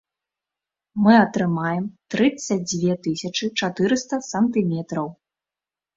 Мы атрымаем трыццаць дзве тысячы чатырыста сантыметраў.